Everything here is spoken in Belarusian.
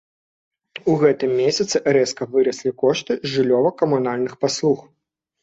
У гэтым месяцы рэзка выраслі кошты жыллёва-камунальных паслуг.